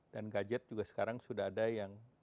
dan gadget juga sekarang sudah ada yang